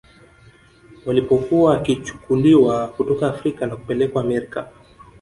Walipokuwa wakichukuliwa kutoka Afrika na kupelekwa Amerika